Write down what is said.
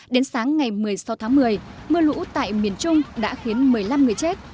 đến sáng ngày một mươi sáu tháng một mươi mưa lũ tại miền trung đã khiến một mươi năm người chết